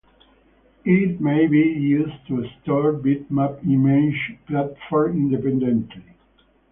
It may be used to store bitmap images platform-independently.